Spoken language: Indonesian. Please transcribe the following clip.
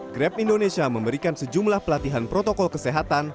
grab indonesia memberikan sejumlah pelatihan protokol kesehatan